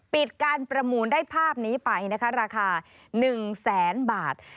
ปิดการประมูลได้ภาพนี้ไปนะคะราคา๑แสนบาท